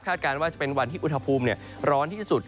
การว่าจะเป็นวันที่อุณหภูมิร้อนที่สุด